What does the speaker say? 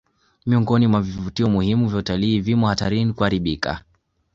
Miongoni mwa vivutio muhimu vya utalii vimo hatarini kuharibika